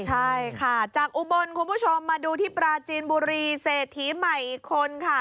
ใช่ค่ะจากอุบลคุณผู้ชมมาดูที่ปราจีนบุรีเศรษฐีใหม่อีกคนค่ะ